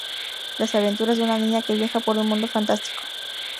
Las aventuras de una niña que viaja por un mundo fantástico.